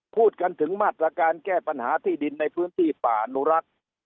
พูดกันถึงมาตรการแก้ปัญหาที่ดินในพื้นที่ป่าอนุรักษ์